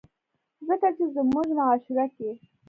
ځکه چې زمونږ معاشره کښې